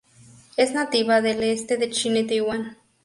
Es nativa del este de China y Taiwan.